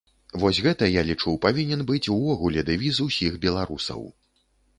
Вось гэта, я лічу, павінен быць увогуле дэвіз усіх беларусаў.